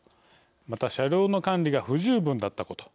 また車両の管理が不十分だったこと。